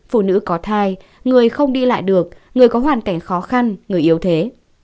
phụ nữ có thai người không đi lại được người có hoàn cảnh khó khăn người yếu thế